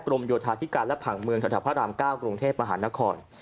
กรมโยทาธิการและผ่างเมืองศรัทธาภราม๙กรุงเทพมหานคร